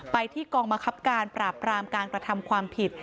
ไปที่กองบังคับการปราบรามการกระทำความผิด